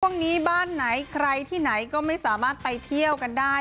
บ้านไหนใครที่ไหนก็ไม่สามารถไปเที่ยวกันได้